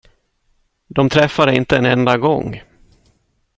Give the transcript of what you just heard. De träffade inte en enda gång!